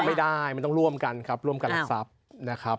ไม่ได้มันต้องร่วมกันครับร่วมกันรักทรัพย์นะครับ